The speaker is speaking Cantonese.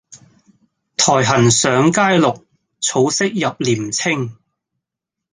苔痕上階綠，草色入簾青